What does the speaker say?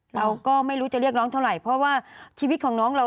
เราก็ไม่รู้จะเรียกร้องเท่าไหร่เพราะว่าชีวิตของน้องเรา